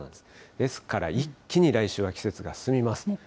ですから一気に来週は季節が進みます。